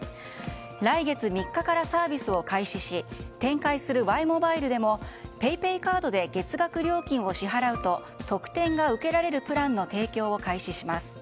来月３日からサービスを開始し展開するワイモバイルでもＰａｙＰａｙカードで月額料金を支払うと特典を受けられるプランの提供を開始します。